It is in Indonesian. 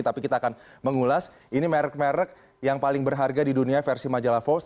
tapi kita akan mengulas ini merek merek yang paling berharga di dunia versi majalah forbes